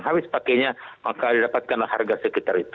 habis pakenya maka didapatkan harga sekitar itu